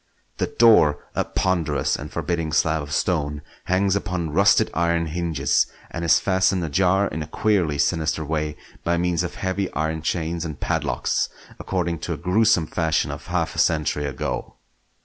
The door, a ponderous and forbidding slab of stone, hangs upon rusted iron hinges, and is fastened ajar in a queerly sinister way by means of heavy iron chains and padlocks, according to a gruesome fashion of half a century ago.